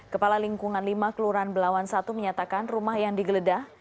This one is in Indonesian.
kepala lingkungan lima kelurahan belawan satu menyatakan rumah yang digeledah